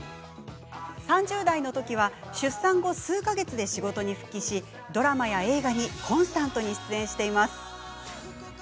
３０代のときは出産後、数か月で仕事に復帰しドラマや映画にコンスタントに出演しています。